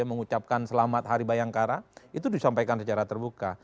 mengucapkan selamat hari bayangkara itu disampaikan secara terbuka